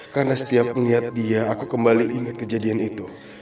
karena setiap melihat dia aku kembali ingat kejadian itu